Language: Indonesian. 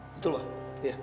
betul bang iya